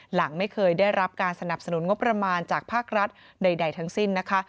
หลังไม่เคยได้รับการสนับสนุนงบประมาณจากภาครัฐใดทั้งสิ้นนะคะ